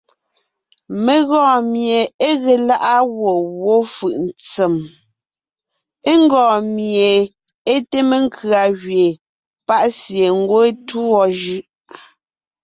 Mé gɔɔn mie é ge lá’a gwɔ̂ wó fʉʼ ntsèm, ńgɔɔn mie é te mekʉ̀a gẅeen, pa’ sie ngwɔ́ é tûɔ jʉ’.